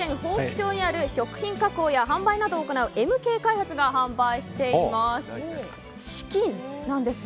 伯耆町の食品加工や販売などを行うエムケイ開発が販売しています。